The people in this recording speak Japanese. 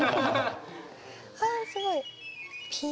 あすごい。